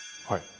はい。